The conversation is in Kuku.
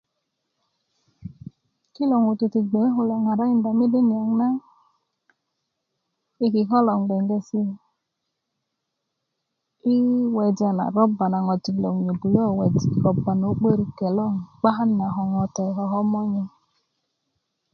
kilo ŋutuu ti kuwe kulo ŋarakinda mede niyaŋ na yi kiko' logon gbengeti yi weja na roba na ŋojik looŋ nyöbulö weja' na roba na 'börik gbe looŋ 'bakan na koŋote ko komoney